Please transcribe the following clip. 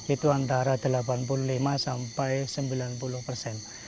itu antara delapan puluh lima sampai sembilan puluh persen